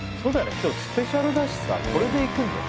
今日スペシャルだしさこれでいくんだよ。